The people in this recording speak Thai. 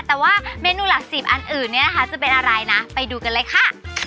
แต่ว่าเมนูหลักจีบอันอื่นเนี่ยนะคะจะเป็นอะไรนะไปดูกันเลยค่ะ